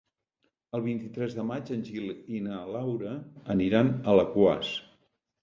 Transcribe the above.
El vint-i-tres de maig en Gil i na Laura aniran a Alaquàs.